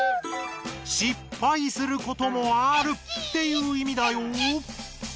「失敗することもある」っていう意味だよ。